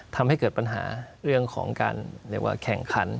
ทำให้เกิดปัญหาเรื่องของการแข่งขัน